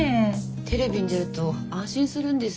テレビに出ると安心するんです